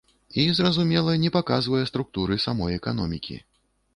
І, зразумела, не паказвае структуры самой эканомікі.